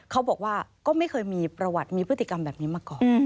เขาบอกว่าก็ไม่เคยมีประวัติมีพฤติกรรมแบบนี้มาก่อน